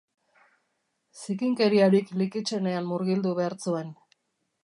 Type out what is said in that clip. Zikinkeriarik likitsenean murgildu behar zuen.